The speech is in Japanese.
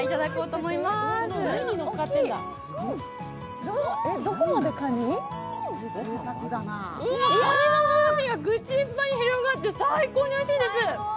かにの風味が口いっぱいに広がって最高においしいです！